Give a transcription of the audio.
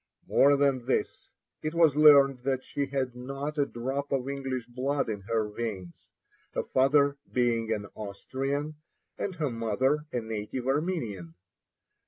More than this, it was learned that she had not a drop of English blood in her veins, her father being an Austrian, and her mother a native Armenian.